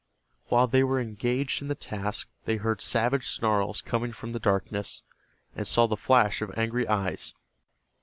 While they were engaged in the task they heard savage snarls coming from the darkness, and saw the flash of angry eyes.